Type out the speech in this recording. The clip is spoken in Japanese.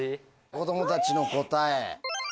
子供たちの答え。